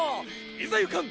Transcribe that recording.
いざ行かん